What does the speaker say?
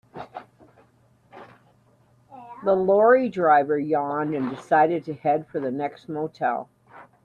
The lorry driver yawned and decided to head for the next motel.